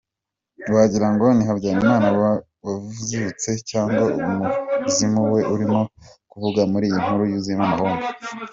Wagirango ni Habyara wazutse cyangwa umuzimu we urimo kuvuga muri iyi nkuru yuzuyemo amahomvu!